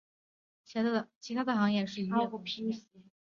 其它的行业是渔业和农业。